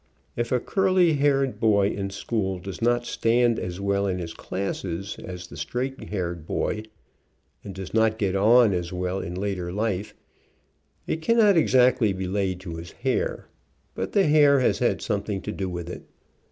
If a curly haired boy in school does not stand as well in his classes as the straight haired boy, and does not get on as well in later life, it cannot exactly be laid to his hair, but the hair has had something to do with it.